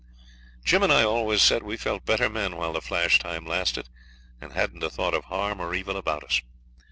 Jim and I always said we felt better men while the flash time lasted, and hadn't a thought of harm or evil about us.